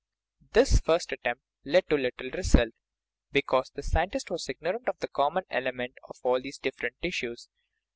This first attempt led to little result, because the scientist was ignorant of the one common element of all the different tissues.